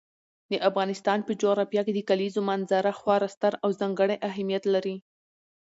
د افغانستان په جغرافیه کې د کلیزو منظره خورا ستر او ځانګړی اهمیت لري.